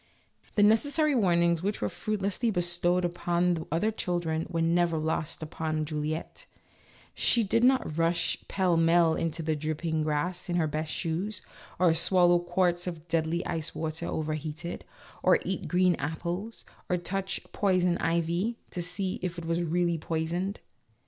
The necessary warnings which were fruitlessly bestowed upon the other children were never lost upon Juliette ; she did not rush pell mell into the dripping grass in her best shoes, or swallow quarts of deadly ice water when overheated, or eat green apples, or touch " poison ivy " to see if it was really poisoned.